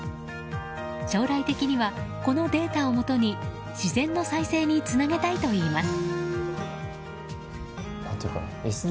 将来的にはこのデータをもとに自然の再生につなげたいといいます。